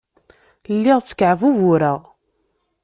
Lliɣ ttkeɛbubureɣ.